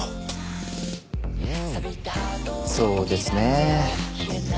そうですね。